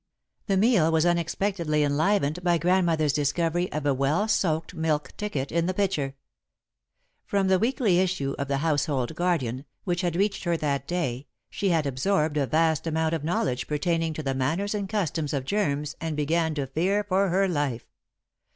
The meal was unexpectedly enlivened by Grandmother's discovery of a well soaked milk ticket in the pitcher. From the weekly issue of The Household Guardian, which had reached her that day, she had absorbed a vast amount of knowledge pertaining to the manners and customs of germs, and began to fear for her life.